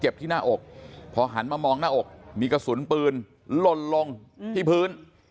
ที่หน้าอกพอหันมามองหน้าอกมีกระสุนปืนลนลงที่พื้น